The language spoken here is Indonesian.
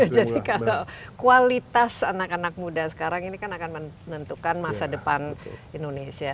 jadi kalau kualitas anak anak muda sekarang ini kan akan menentukan masa depan indonesia